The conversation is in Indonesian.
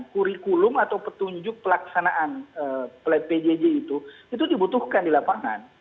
kurikulum atau petunjuk pelaksanaan plat pjj itu itu dibutuhkan di lapangan